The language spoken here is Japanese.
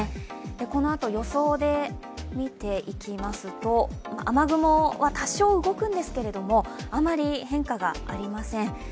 このあと予想で見ていきますと雨雲は多少動くんですけれども、あんまり変化がありません。